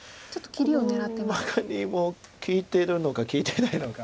このマガリも利いてるのか利いてないのか。